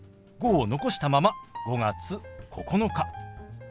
「５」を残したまま「５月９日」。